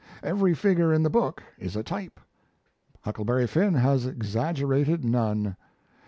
Every figure in the book is a type; Huckleberry Finn has exaggerated none.